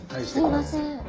すいません。